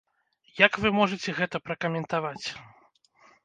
Як вы можаце гэта пракаментаваць?